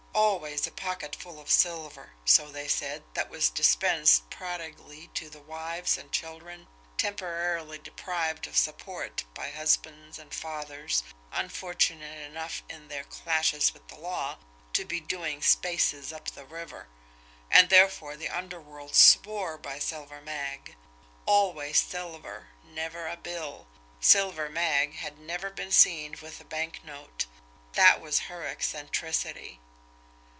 Always a pocketful of silver, so they said, that was dispensed prodigally to the wives and children temporarily deprived of support by husbands and fathers unfortunate enough in their clashes with the law to be doing "spaces" up the river and therefore the underworld swore by Silver Mag. Always silver, never a bill; Silver Mag had never been seen with a banknote that was her eccentricity.